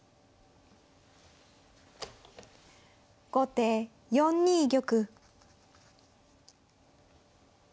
後手４二玉。